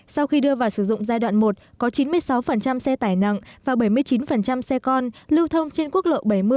sau khi đưa vào sử dụng giai đoạn một có chín mươi sáu xe tải nặng và bảy mươi chín xe con lưu thông trên quốc lộ bảy mươi